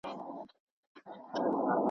په دا تش دیدن به ولي خپل زړګی خوشالومه.